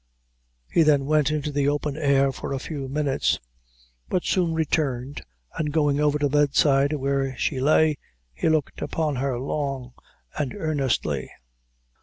He then went into the open air for a few minutes, but soon returned, and going over to the bedside where she lay, he looked upon her long and earnestly.